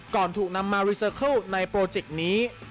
ก่อนถูกนำมารีเซอร์เคิลในโปรเจกต์นี้